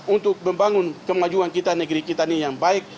untuk membangun kemajuan kita negeri kita ini yang baik